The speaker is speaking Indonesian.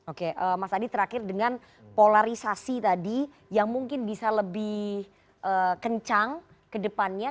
oke mas adi terakhir dengan polarisasi tadi yang mungkin bisa lebih kencang ke depannya